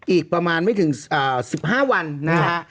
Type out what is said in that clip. อีกประมาณไม่ถึง๑๕วันนะฮะ